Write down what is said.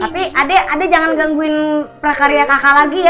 tapi adek jangan gangguin prakarya kakak lagi ya